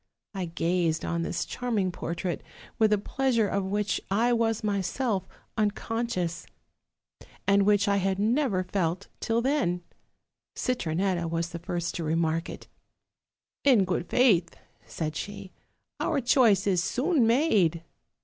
I gazed on this charm ing portrait with a pleasure of which I was myself uncon scious and which I had never felt till then. Citronetta was the first to remark it. 'In good faith, 'said she, 'our choice is soon made.'